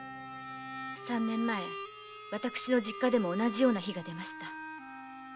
三年前私の実家でも同じような火が出ました。